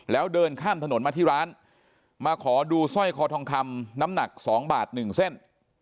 แล้วเดินข้ามถนนมาที่ร้านมาขอดูสร้อยคอทองคำน้ำหนัก๒บาท๑เส้น